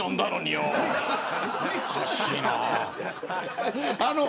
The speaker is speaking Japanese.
おかしいな。